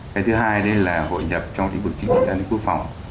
cái thứ hai đấy là hội nhập trong lĩnh vực chính trị an ninh quốc phòng